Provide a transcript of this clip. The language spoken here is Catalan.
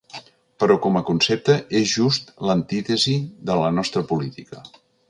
Però com a concepte, és just l’antítesi de la nostra política.